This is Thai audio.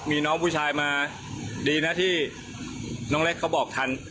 มีน้องผู้ชายมาดีนะที่น้องเล็กเขาบอกทัน